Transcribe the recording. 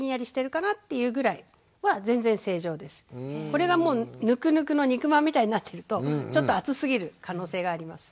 これがもうぬくぬくの肉まんみたいになってるとちょっと暑すぎる可能性があります。